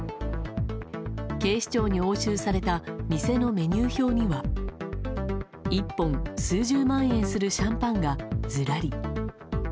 警視庁に押収された店のメニュー表には１本、数十万円するシャンパンがズラリ。